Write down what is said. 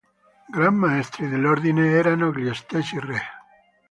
Gran Maestri dell'ordine erano gli stessi re.